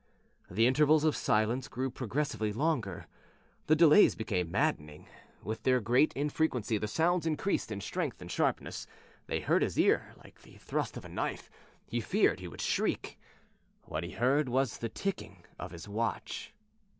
The intervals of silence grew progressively longer; the delays became maddening. With their greater infrequency the sounds increased in strength and sharpness. They hurt his ear like the thrust of a knife; he feared he would shriek. What he heard was the ticking of his watch.